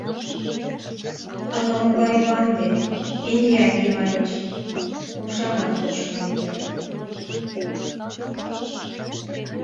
«Ала-могай банде, Финляндий маньыч, — умшамат почын ом керт.